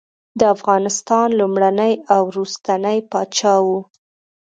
د افغانستان لومړنی او وروستنی پاچا وو.